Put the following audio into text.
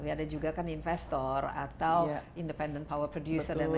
ada juga kan investor atau independent power producer dan lain lain